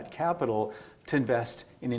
kapital untuk berinvestasi